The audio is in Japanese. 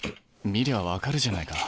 見りゃ分かるじゃないか。